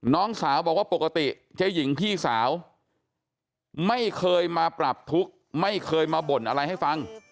น้องสาวบอกว่าปกติเจ๊หญิงพี่สาวไม่เคยมาปรับทุกข์ไม่เคยมาบ่นอะไรให้ฟัง